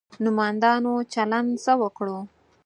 نومندانو چلند څه وکړو.